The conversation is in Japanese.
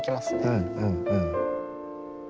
うんうんうん。